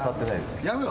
やめろ。